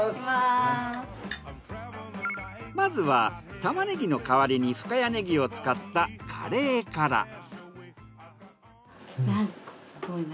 まずはタマネギの代わりに深谷ねぎを使ったカレーから。